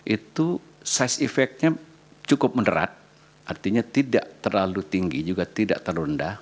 itu size effect nya cukup menerat artinya tidak terlalu tinggi juga tidak terlalu rendah